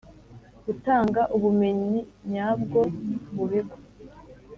gutanga ubumenyi nyabwo mu bigo